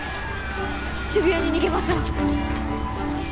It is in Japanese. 渋谷に逃げましょう。